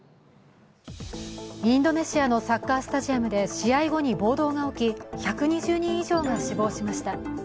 インドネシアのサッカースタジアムで試合後に暴動が起き、１２０人以上が死亡しました。